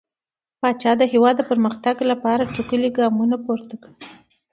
پاچا د هيواد د پرمختګ لپاره ټوکلي ګامونه پورته کړل .